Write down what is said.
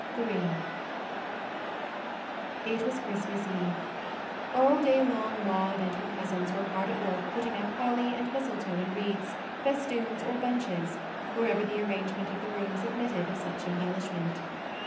MAUDE 63 III IT was Christmas Eve. All day long Maude and her cousins were hard at work putting up holly and mistletoe in wreaths, fes toons, or bunches, wherever the arrangement of the rooms admitted of such embellishment.